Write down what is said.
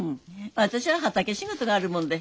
私は畑仕事があるもんで。